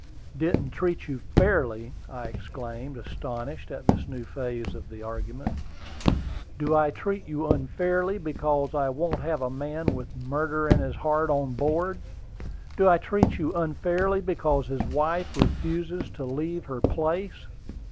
"Didn't treat you fairly!" I exclaimed, astonished at this new phase of the argument. "Do I treat you unfairly because I won't have a man with murder in his heart on board? Do I treat you unfairly because his wife refuses to leave her place?"